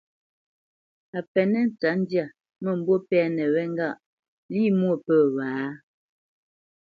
A penə́ ntsətndyâ, mə̂mbû pɛ́nə wé ŋgâʼ lî mwô pə̂ wǎ?